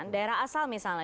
daerah asal misalnya